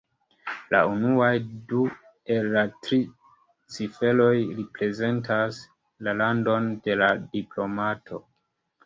La unuaj du el la tri ciferoj reprezentas la landon de la diplomato.